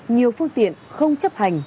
nhiều phương tiện không chấp hành